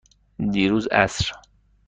دیروز عصر.